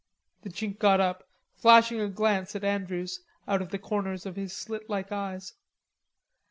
The Chink got up, flashing a glance at Andrews out of the corners of his slit like eyes.